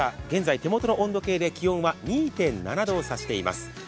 現在手元の温度計で２．７度を示しています。